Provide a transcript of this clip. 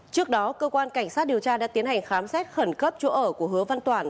trước đó cơ quan cảnh sát điều tra đã tiến hành khám xét khẩn cấp chỗ ở của hứa văn toản